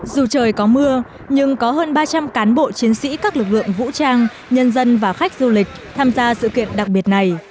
dù trời có mưa nhưng có hơn ba trăm linh cán bộ chiến sĩ các lực lượng vũ trang nhân dân và khách du lịch tham gia sự kiện đặc biệt này